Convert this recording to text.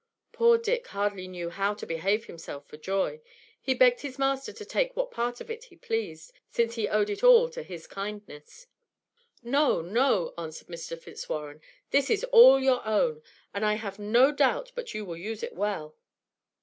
Poor Dick hardly knew how to behave himself for joy. He begged his master to take what part of it he pleased, since he owed it all to his kindness. "No, no," answered Mr. Fitzwarren, "this is all your own; and I have no doubt but you will use it well."